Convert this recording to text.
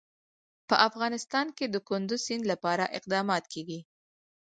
په افغانستان کې د کندز سیند لپاره اقدامات کېږي.